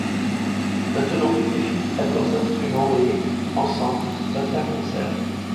Maintenant toutes les filles prennent leurs instruments et, ensemble, donnent un concert.